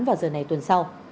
vào giờ này tuần sau